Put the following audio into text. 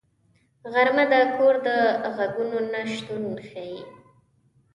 غرمه د کور د غږونو نه شتون ښيي